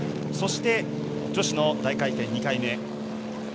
そして、女子の大回転２回目。